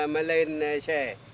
mà lên xe